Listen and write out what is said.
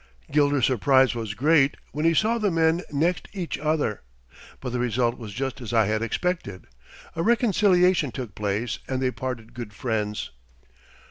Gilder's surprise was great when he saw the men next each other, but the result was just as I had expected. A reconciliation took place and they parted good friends.